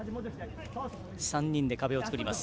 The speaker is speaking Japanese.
３人で壁を作ります。